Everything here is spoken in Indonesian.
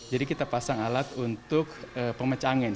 jadi kita pasang alat untuk pemecah angin